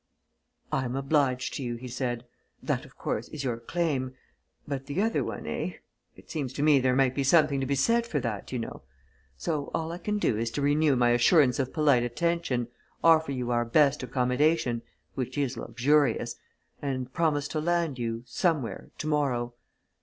"I am obliged to you," he said. "That, of course, is your claim. But the other one, eh? It seems to me there might be something to be said for that, you know? So, all I can do is to renew my assurance of polite attention, offer you our best accommodation which is luxurious and promise to land you somewhere tomorrow.